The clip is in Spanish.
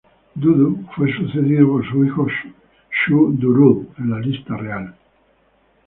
Dudu fue sucedido por su hijo Shu-Durul en la Lista Real.